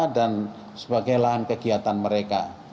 dan sebagai lahan kegiatan mereka